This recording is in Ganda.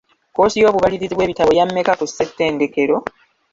Kkoosi y'obubalirirzi bw'ebitabo ya mmeka ku ssettendekero?